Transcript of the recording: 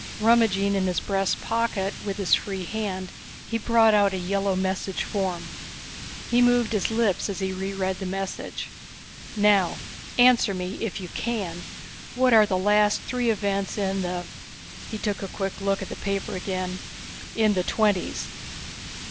Rummaging in his breast pocket with his free hand, he brought out a yellow message form. He moved his lips as he reread the message. "Now answer me if you can what are the last three events in the ..." He took a quick look at the paper again. "... in the Twenties?"